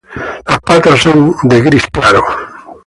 Las patas son gris claro.